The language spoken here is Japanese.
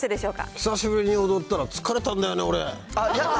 久しぶりに踊ったら疲れたんだよね、俺。